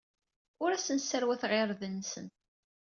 Ur asen-sserwateɣ irden-nsen.